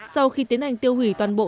sau khi tiến hành tiêu hủy toàn bộ